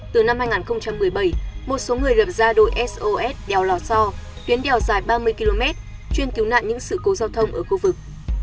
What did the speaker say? từ năm hai nghìn một mươi bảy một số người lập ra đội sos đèo lò so tuyến đèo dài ba mươi km chuyên cứu nạn những sự cố giao thông ở khu vực